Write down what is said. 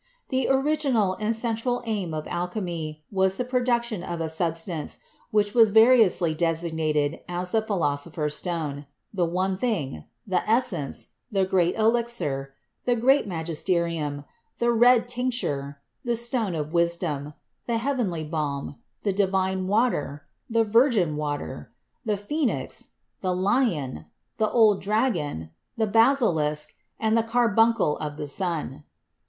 The original and central aim of alchemy was the pro duction of a substance which was variously designated as the "Philosopher's Stone," "the one thing," "the essence," "the great elixir," "the great magisterium," "the red tinc ture," "the stone of wisdom," "the heavenly balm," "the divine water," "the virgin water," "the phcenix," "the lion," "the old dragon," "the basilisk," and "the carbuncle of the sun."